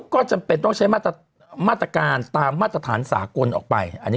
ก็จำเป็นต้องใช้มาตรการตามมาตรฐานสากลออกไป